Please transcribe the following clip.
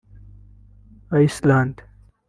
Iceland